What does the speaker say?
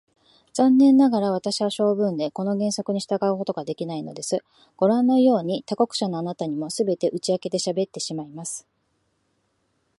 残念ながら、私は性分でこの原則に従うことができないのです。ごらんのように、他国者のあなたにも、すべて打ち明けてしゃべってしまいます。